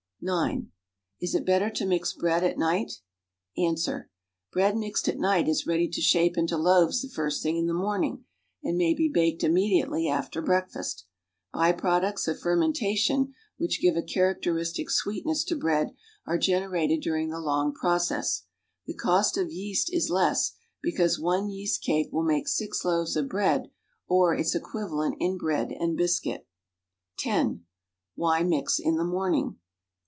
(9) Is it better to mix bread at night? Ans. Bread mixed at night is ready to shape into loaves the first thing in the morning and may be baked immediately after breakfast. B> products of fermentation, which give a charac teristic sweetness to bread, are generated during the long process. The cost of yeast is less, because one yeast cake will make six loaves of bread or its equivalent in bread and biscuit. (10) Why mix in the morning?